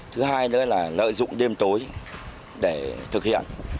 thứ hai nữa là lợi dụng đêm tối để thực hiện